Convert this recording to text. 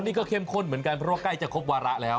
นี่ก็เข้มข้นเหมือนกันเพราะว่าใกล้จะครบวาระแล้ว